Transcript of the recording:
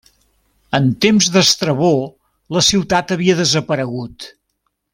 En temps d'Estrabó la ciutat havia desaparegut.